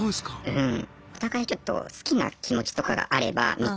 うん。